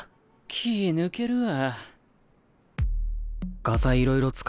気ぃ抜けるわ。